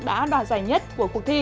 đã đoạt giải nhất của cuộc thi